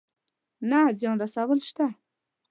نه زيان رسول شته.